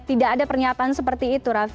tidak ada pernyataan seperti itu raffi